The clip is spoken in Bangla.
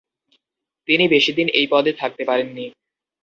তিনি বেশিদিন এই পদে থাকতে পারেননি।